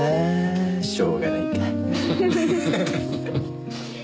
しょうがないか。